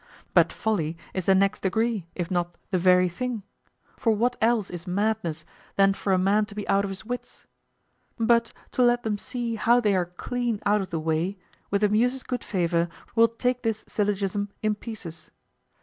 But folly is the next degree, if not the very thing. For what else is madness than for a man to be out of his wits? But to let them see how they are clean out of the way, with the Muses' good favor we'll take this syllogism in pieces.